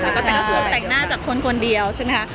ก็คือแต่งหน้าจากคนคนเดียวใช่มั้ยคะ